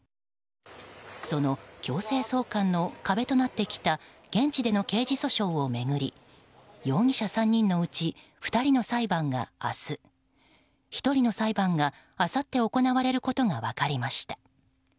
その強制送還の壁となってきた現地での刑事訴訟を巡り容疑者３人のうち２人の裁判が明日１人の裁判が、あさって行われることが分かりました。